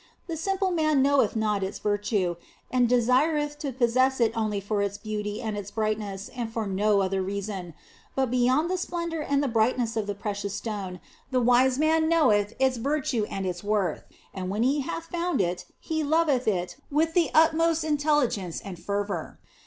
The simple man knoweth not its virtue and desireth to possess it only for its beauty and its brightness, and for no other reason ; but beyond the splendour and the brightness of the precious stone, the wise man knoweth its virtue and its worth, and when he 48 THE BLESSED ANGELA hath, found it he loveth it with the utmost intelligence and fervour.